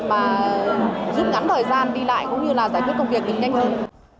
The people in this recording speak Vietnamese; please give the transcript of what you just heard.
và giúp ngắn thời gian đi lại cũng như là giải quyết công việc nhanh hơn